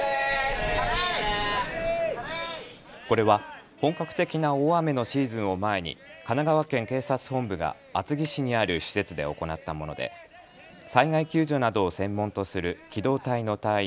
これは本格的な大雨のシーズンを前に神奈川県警察本部が厚木市にある施設で行ったもので災害救助などを専門とする機動隊の隊員